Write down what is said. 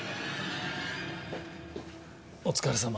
お疲れさま。